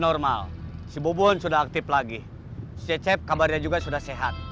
normal elevan sudah aktif lagi cecep kabarnya juga sudah sehat